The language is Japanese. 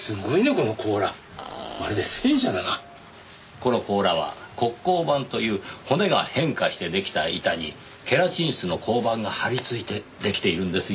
この甲羅は骨甲板という骨が変化してできた板にケラチン質の甲板が張り付いてできているんですよ。